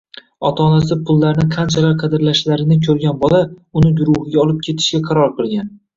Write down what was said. Ota-onasi pullarni qanchalar qadrlashlarini ko‘rgan bola uni guruhiga olib ketishga qaror qilgan.